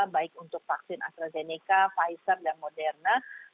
baik untuk vaksin astrazeneca pfizer dan moderna